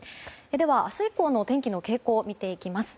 では明日以降の天気の傾向を見ていきます。